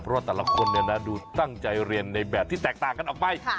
เพราะว่าแต่ละคนดูตั้งใจเรียนในแบบที่แตกต่างกันออกไป